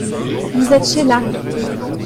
Vous êtes Sheila.